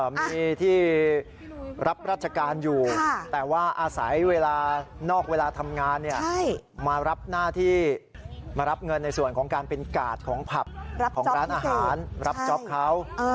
มีที่รับราชการอยู่แต่ว่าอาศัยโดยเวลาทำงานมารับเงินส่วนของการเป็นกาดผักร้านอาหารรับจอพเขา